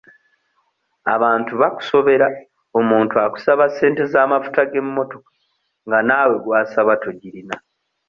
Abantu bakusobera omuntu akusaba ssente z'amafuta g'emmotoka nga naawe gw'asaba togirina.